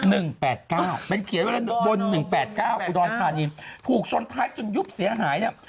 แปดเก้ามันเขียนเวลาบนหนึ่งแปดเก้าอุดรธานีถูกชนท้ายจนยุบเสียหายเนี่ย